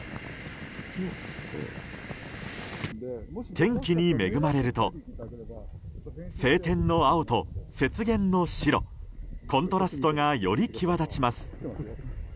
天気に恵まれると晴天の青と雪原の白コントラストがより際立ちます。